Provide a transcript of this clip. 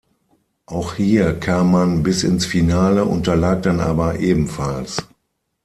Auch hier kam man bis ins Finale, unterlag dann aber ebenfalls.